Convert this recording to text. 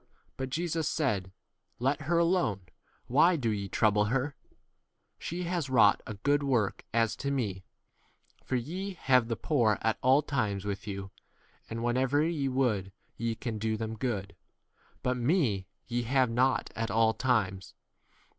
But Jesus said, Let her alone ; why do ye trouble her ? she has wrought a good work as 7 to m me ; for ye have the poor at all times with you, and whenever ye would ye can do them good ; but me ye have not at all times.